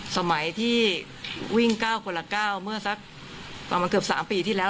สมัยที่วิ่งเก้าคนละเก้าเมื่อสักประมาณเกือบสามปีที่แล้ว